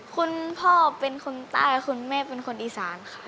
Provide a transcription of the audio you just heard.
คุณพ่อเป็นคนใต้คุณแม่เป็นคนอีสานค่ะ